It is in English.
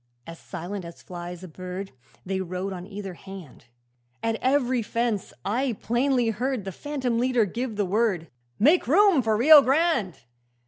'As silently as flies a bird, They rode on either hand; At every fence I plainly heard The phantom leader give the word, "Make room for Rio Grande!"